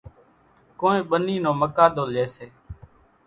ڪونئين ٻنِي نو مقاۮو ليئيَ سي۔